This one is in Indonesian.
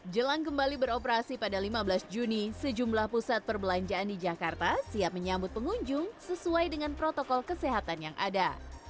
jelang kembali beroperasi pada lima belas juni sejumlah pusat perbelanjaan di jakarta siap menyambut pengunjung sesuai dengan protokol kesehatan yang ada